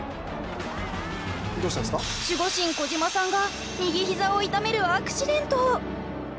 守護神・小島さんが右ひざを痛めるアクシデント。